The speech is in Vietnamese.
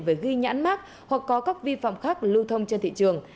về ghi nhãn mát hoặc có các vi phạm khác lưu thông trên thị trường